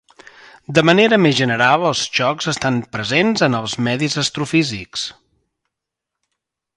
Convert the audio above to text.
De manera més general els xocs estan presents en els medis astrofísics.